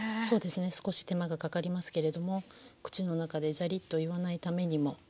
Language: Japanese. そうですね少し手間がかかりますけれども口の中でジャリッと言わないためにも。